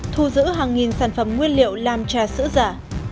thu giữ hàng nghìn sản phẩm nguyên liệu làm trà sữa giả